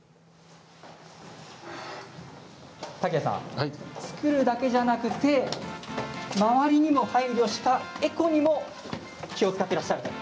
竹谷さん、造るだけではなくて周りにも配慮したエコにも気を遣っていらっしゃると。